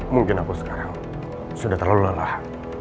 mungkin aku sekarang sudah terlalu lelah